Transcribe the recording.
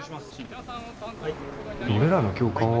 俺らの教官は？